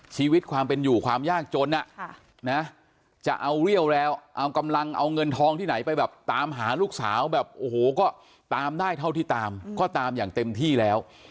ชีวิตความเป็นอยู่ความยากจนจะเอาเรี่ยวแล้วเอากำลังเอาเงินทองที่ไหนไปแบบตามหาลูกสาวแบบโอ้โหก็ตามได้เท่าที่ตามก็ตามอย่างเต็มที่แล้ว